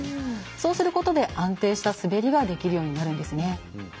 そうすることで、安定した滑りができるようになるんですね。